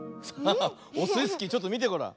ハハッオスイスキーちょっとみてごらん。